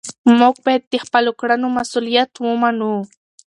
موږ باید د خپلو کړنو مسؤلیت ومنو.